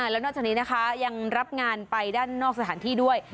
แล้วนอกจากนี้นะคะยังรับงานไปด้านนอกสถานที่ด้วย